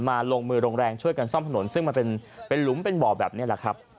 ลงมือลงแรงช่วยกันซ่อมถนนซึ่งมันเป็นหลุมเป็นบ่อแบบนี้แหละครับ